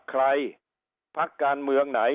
ใครภักดิ์การเมืองไหน